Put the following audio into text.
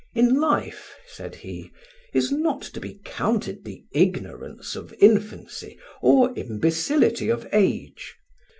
"In life," said he, "is not to be counted the ignorance of infancy or imbecility of age.